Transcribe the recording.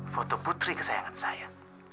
foto putri kesayangan saya